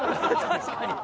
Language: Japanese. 確かに！